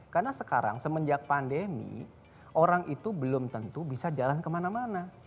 karena sekarang semenjak pandemi orang itu belum tentu bisa jalan kemana mana